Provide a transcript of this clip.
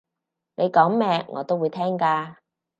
你講咩我都會聽㗎